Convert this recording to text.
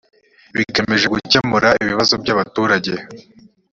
bigamije gukemura ibibazo by abaturage